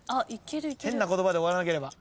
変な言葉で終わらなければ。